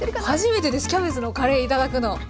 初めてですキャベツのカレー頂くの。